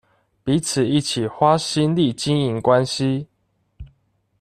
彼此一起花心力經營關係